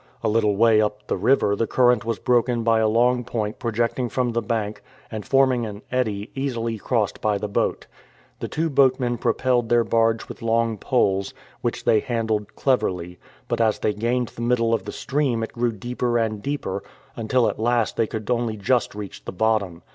A little way up the river the current was broken by a long point projecting from the bank, and forming an eddy easily crossed by the boat. The two boatmen propelled their barge with long poles, which they handled cleverly; but as they gained the middle of the stream it grew deeper and deeper, until at last they could only just reach the bottom.